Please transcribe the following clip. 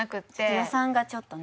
予算がちょっとね。